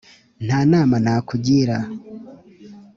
nta nama nakugira.